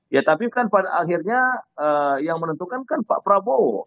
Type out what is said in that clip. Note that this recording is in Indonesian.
ya tapi kan pada akhirnya yang menentukan kan pak prabowo